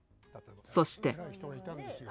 そして。